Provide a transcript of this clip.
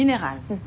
うん。